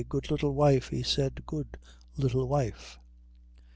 "Good little wife," he said; "good little wife."